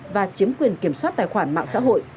và chiếm quyền kiểm soát tài khoản mạng xã hội